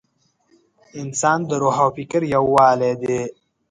انسان د روح او فکر یووالی دی.